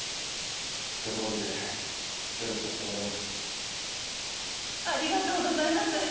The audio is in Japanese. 喜んで協力させてもらいますありがとうございます